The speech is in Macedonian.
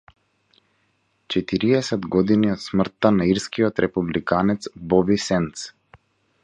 Четириесет години од смртта на ирскиот републиканец Боби Сендс